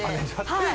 はい。